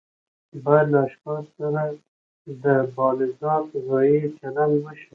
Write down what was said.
باید له اشخاصو سره د بالذات غایې چلند وشي.